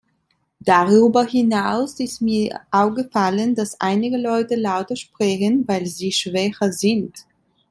Darüber hinaus ist mir aufgefallen, dass einige Leute lauter sprechen, weil sie schwächer sind!